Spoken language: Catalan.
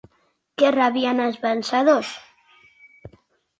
Què rebien els vencedors?